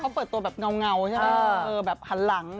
เขาเปิดตัวแบบเงาใช่ไหมแบบหันหลัง